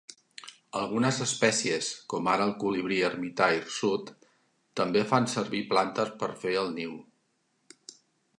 Algunes espècies com ara el colibrí ermità hirsut també fan servir plantes per fer el niu.